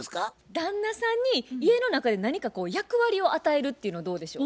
旦那さんに家の中で何か役割を与えるっていうのはどうでしょう？